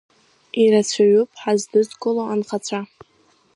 Ирацәаҩуп ҳаздызкыло анхацәа.